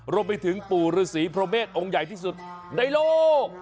รวมไปถึงปู่ฤษีพระเมฆองค์ใหญ่ที่สุดในโลก